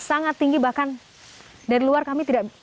sangat tinggi bahkan dari luar kami tidak